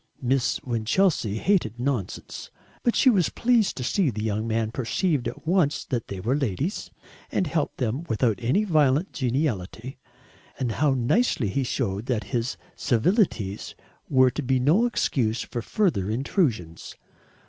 Miss Winchelsea hated nonsense, but she was pleased to see the young man perceived at once that they were ladies, and helped them without any violent geniality; and how nicely he showed that his civilities were to be no excuse for further intrusions.